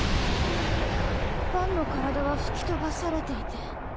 バンの体は吹き飛ばされていて。